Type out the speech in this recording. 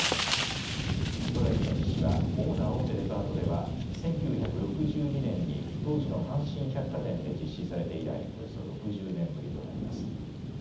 ストライキの実施は主な大手デパートでは、１９６２年に当時の阪神百貨店で実施されて以来、およそ６０年ぶりとなります。